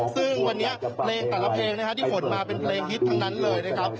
ซึ่งวันนี้เพลงแต่ละเพลงนะฮะที่ขนมาเป็นเพลงฮิตทั้งนั้นเลยนะครับ